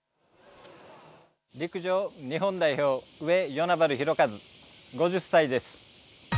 陸上日本代表上与那原寛和、５０歳です。